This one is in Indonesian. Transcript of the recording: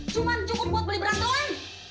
cuma cukup buat beli beras doang